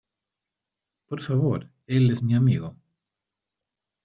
Por favor. Él es mi amigo .